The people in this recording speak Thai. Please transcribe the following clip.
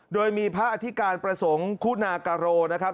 โดยมีพระอธิการประสงค์คุณากะโรนะครับ